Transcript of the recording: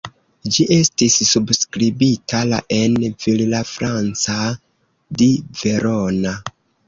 Ĝi estis subskribita la en Villafranca di Verona.